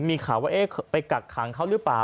มีข่าวว่าไปกักขังเขาหรือเปล่า